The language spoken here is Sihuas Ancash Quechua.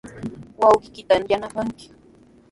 Wawqiykita yanapanki.